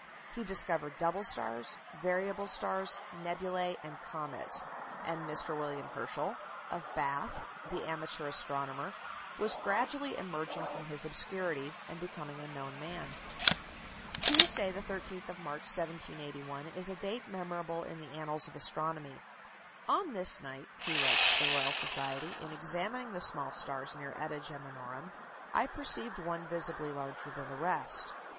He discovered double stars, variable stars, nebulæ, and comets; and Mr. William Herschel, of Bath, the amateur astronomer, was gradually emerging from his obscurity, and becoming a known man. Tuesday, the 13th of March, 1781, is a date memorable in the annals of astronomy. "On this night," he writes to the Royal Society, "in examining the small stars near [eta] Geminorum, I perceived one visibly larger than the rest.